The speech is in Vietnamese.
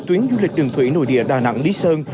tuyến du lịch đường thủy nội địa đà nẵng lý sơn